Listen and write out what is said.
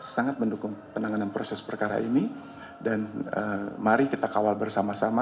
sangat mendukung penanganan proses perkara ini dan mari kita kawal bersama sama